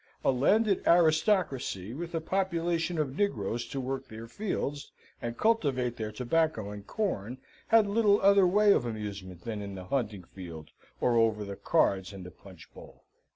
A landed aristocracy, with a population of negroes to work their fields, and cultivate their tobacco and corn, had little other way of amusement than in the hunting field, or over the cards and the punch bowl.